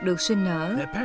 được sinh nở